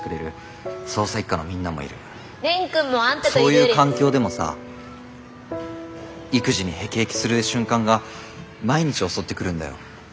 そういう環境でもさ育児に辟易する瞬間が毎日襲ってくるんだよ。